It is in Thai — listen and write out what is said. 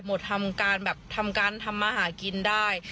หมดทำการแบบทำการทำมาหากินได้